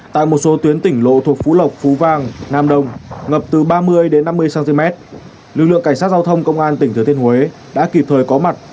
tại một số tuyến tỉnh lộ thuộc phú lộc phú vang nam đông ngập từ ba mươi đến năm mươi cm lực lượng cảnh sát giao thông công an tỉnh thừa thiên huế đã kịp thời có mặt